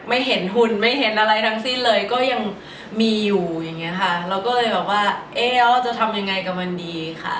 ไม่เห็นหุ่นไม่เห็นอะไรทั้งสิ้นเลยก็ยังมีอยู่อย่างเงี้ยค่ะเราก็เลยแบบว่าเอ๊ะแล้วจะทำยังไงกับมันดีค่ะ